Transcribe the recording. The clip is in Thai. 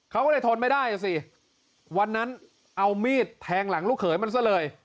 เขาก็เลยทนไม่ได้อ่ะสิวันนั้นเอามีดแทงหลังลูกเขยมันซะเลย